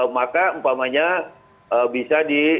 maka umpamanya bisa di